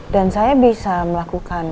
dan saya bisa mencari kelelainan bu andien